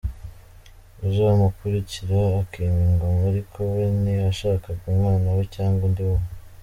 uzamukurikira akima ingoma ariko we ntiyashakaga umwana we cyangwa undi uwo.